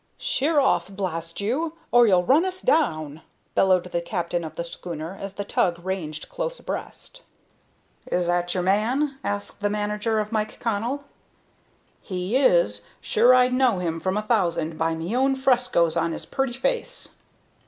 "Sheer off, blast you, or you'll run us down!" bellowed the captain of the schooner as the tug ranged close abreast. "Is that your man?" asked the manager, of Mike Connell. "He is. Sure I'd know him from a thousand by me own frescos on his purty face."